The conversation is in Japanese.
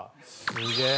すげえ。